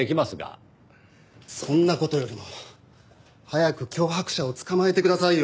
そんな事よりも早く脅迫者を捕まえてくださいよ。